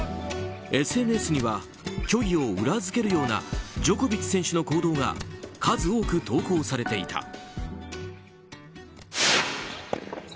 ＳＮＳには虚偽を裏付けるようなジョコビッチ選手の行動が数多く投稿されていた。